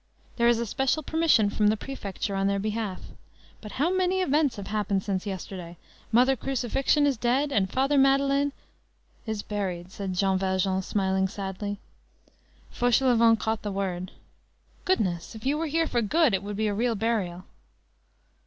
There is a special permission from the Prefecture on their behalf. But how many events have happened since yesterday! Mother Crucifixion is dead, and Father Madeleine—" "Is buried," said Jean Valjean, smiling sadly. Fauchelevent caught the word. "Goodness! if you were here for good, it would be a real burial."